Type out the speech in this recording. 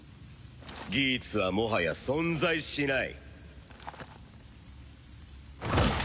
ギーツはもはや存在しない。